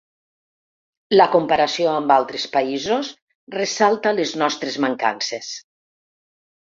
La comparació amb altres països ressalta les nostres mancances.